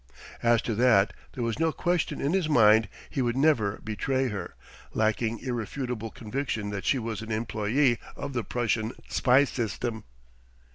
As to that, there was no question in his mind; he would never betray her, lacking irrefutable conviction that she was an employee of the Prussian spy system.